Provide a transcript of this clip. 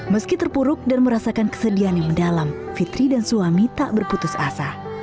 meski terpuruk dan merasakan kesedihan yang mendalam fitri dan suami tak berputus asa